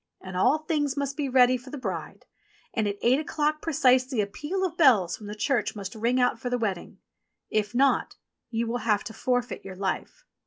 And all things must be ready for the THE GOLDEN SNUFF BOX 43 bride, and at eight o'clock precisely a peal of bells from the church must ring out for the wedding. If not you will have to forfeit your life.'